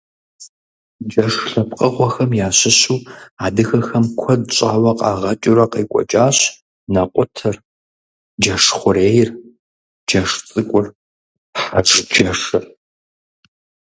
Джэш лъэпкъыгъуэхэм ящыщу адыгэхэм куэд щӀауэ къагъэкӀыурэ къекӀуэкӀащ нэкъутыр, джэшхъурейр, джэшцӀыкӀур, хьэжджэшыр.